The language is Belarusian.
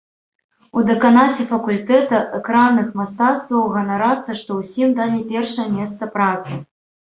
У дэканаце факультэта экранных мастацтваў ганарацца, што ўсім далі першае месца працы.